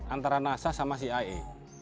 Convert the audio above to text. antara nasa sama cia